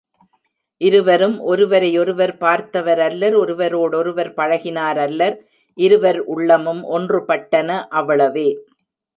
இருவரும் ஒருவரையொருவர் பார்த்தவர் அல்லர் ஒருவரோ டொருவர் பழகினாரல்லர் இருவர் உள்ளமும் ஒன்றுபட்டன அவ்வளவே.